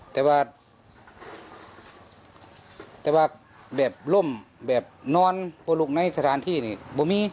แต่ว่าแบบล่มแบบนอนลุคไปสถานที่นี่ไม่มี